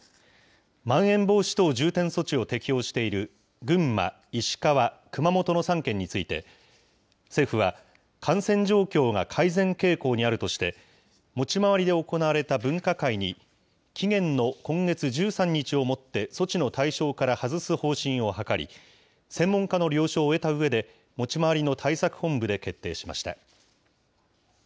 まん延防止等重点措置を適用している群馬、石川、熊本の３県について、政府は、感染状況が改善傾向にあるとして、持ち回りで行われた分科会に、期限の今月１３日をもって、措置の対象から外す方針を諮り、専門家の了承を得たうえで、持ち回りの対策本部で決定しました。